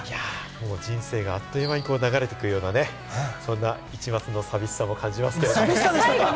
もう人生があっという間に流れていくようなね、そんな一抹の寂しさも感じますが。